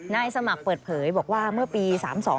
นายสมัครเปิดเผยบอกว่าเมื่อปี๓๒